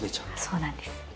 そうなんです。